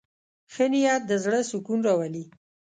ښه نیت د زړه سکون راولي.